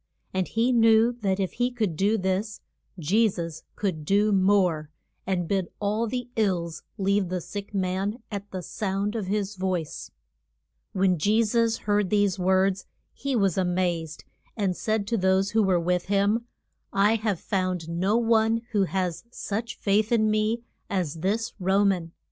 And he knew that if he could do this Je sus could do more, and bid all the ills leave the sick man at the sound of his voice. [Illustration: CHRIST AND THE CEN TU RI ON.] When Je sus heard these words he was a mazed, and said to those who were with him, I have found no one who has such faith in me as this Ro man.